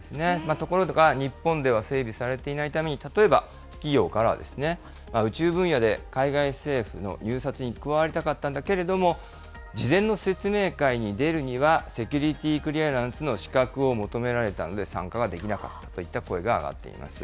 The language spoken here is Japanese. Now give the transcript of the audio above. ところが日本では整備されていないために、例えば企業からは、宇宙分野で海外政府の入札に加わりたかったんだけれども、事前の説明会に出るには、セキュリティークリアランスの資格を求められたので、参加ができなかったといった声が上がっています。